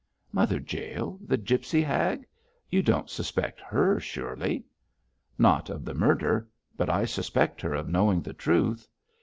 'Mother Jael, the gipsy hag! You don't suspect her, surely!' 'Not of the murder; but I suspect her of knowing the truth.